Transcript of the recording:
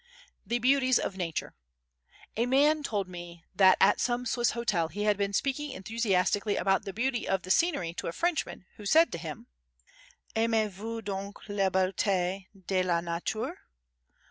The Beauties of Nature A man told me that at some Swiss hotel he had been speaking enthusiastically about the beauty of the scenery to a Frenchman who said to him: "Aimez vous donc les beautés de la nature?